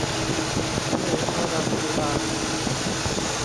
ทะเลอาราฟูรา